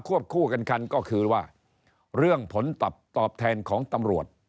วบคู่กันคันก็คือว่าเรื่องผลตอบแทนของตำรวจ